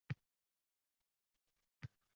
Tong yorisha boshlaydi